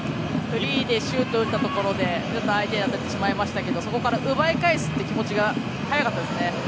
フリーでシュートを打ったところでちょっと相手に当ててしまいましたけどそこから奪い返すという気持ちが早かったですね。